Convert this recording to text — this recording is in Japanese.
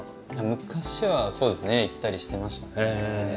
昔は、そうですね行ったりしてました。